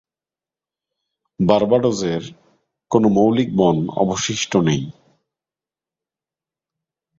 বার্বাডোসের কোন মৌলিক বন অবশিষ্ট নেই।